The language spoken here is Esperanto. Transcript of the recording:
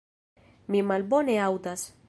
Mi malbone aŭdas.